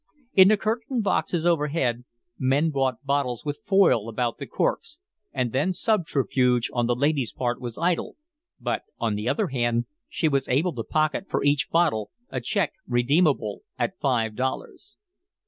In the curtained boxes overhead, men bought bottles with foil about the corks, and then subterfuge on the lady's part was idle, but, on the other hand, she was able to pocket for each bottle a check redeemable at five dollars.